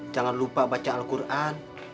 jangan lupa baca al quran